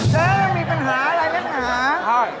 เจ๊มีปัญหาอะไรนะมีปัญหา